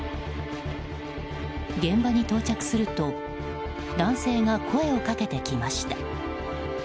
現場に到着すると男性が声をかけてきました。